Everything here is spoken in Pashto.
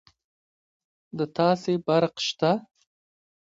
د تاسي برق شته